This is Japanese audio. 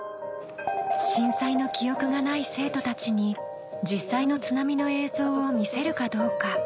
震災の記憶がない生徒たちに実際の津波の映像を見せるかどうか。